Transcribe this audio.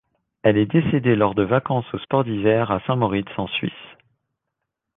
Elle est décédée lors de vacances aux sports d'hiver à Saint Moritz, en Suisse.